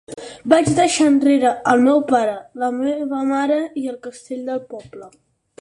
Vaig deixar enrere el meu pare, la meva mare i el castell del poble.